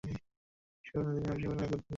সহকর্মীদের তিনি আবিষ্কার করলেন এক অদ্ভুত ব্যাপার।